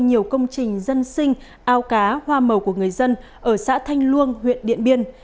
nhiều công trình dân sinh ao cá hoa màu của người dân ở xã thanh luông huyện điện biên